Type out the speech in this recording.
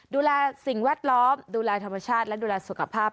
ดูแลสิ่งแวดล้อมดูแลธรรมชาติและดูแลสุขภาพ